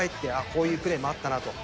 こういうプレーもあったなと。